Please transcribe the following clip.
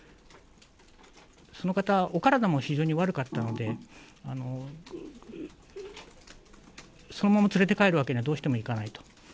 その方、お体も非常に悪かったので、そのまま連れて帰るわけにはどうしてもいかないと。